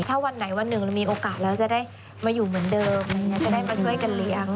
ถ้าวันไหนวันหนึ่งเรามีโอกาสแล้วจะได้มาอยู่เหมือนเดิมอะไรอย่างนี้จะได้มาช่วยกันเลี้ยง